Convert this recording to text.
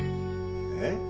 えっ？